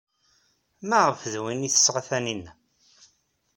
Maɣef d win ay d-tesɣa Taninna?